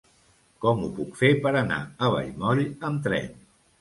Com ho puc fer per anar a Vallmoll amb tren?